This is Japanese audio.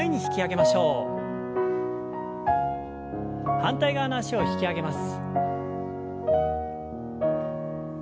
反対側の脚を引き上げます。